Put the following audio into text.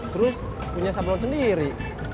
terus punya sablon sendiri